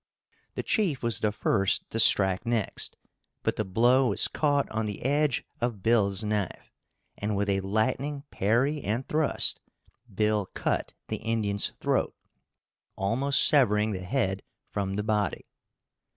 The chief was the first to strike next, but the blow was caught on the edge of Bill's knife, and, with a lightning parry and thrust, Bill cut the Indian's throat, almost severing the head from the body.